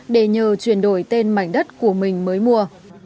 để nhờ chuyển đổi tên mảnh đất của mình mới mua